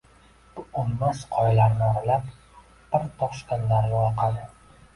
Bu oʻlmas qoyalarni oralab, bir toshqin daryo oqadi